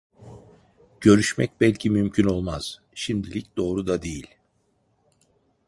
Görüşmek belki mümkün olmaz, şimdilik doğru da değil…